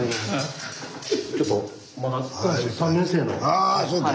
あそうか。